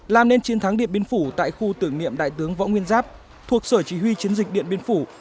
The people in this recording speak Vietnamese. làm nên chiến thắng điện biên phủ tại khu tưởng niệm đại tướng võ nguyên giáp thuộc sở chỉ huy chiến dịch điện biên phủ